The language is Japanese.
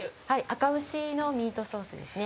赤牛のミートソースですね。